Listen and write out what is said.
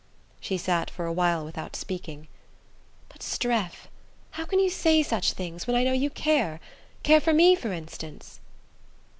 She sat for a while without speaking. "But, Streff, how can you say such things, when I know you care: care for me, for instance!"